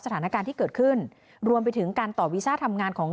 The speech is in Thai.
สถานการณ์ที่เกิดขึ้นรวมไปถึงการต่อวีซ่าทำงานของ